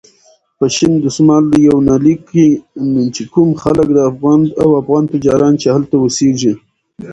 په شین دسمال یونلیک کې چې کوم خلک او افغان تجاران چې هلته اوسېږي.